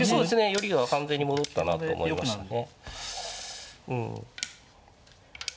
よりは完全に戻ったなと思いましたね。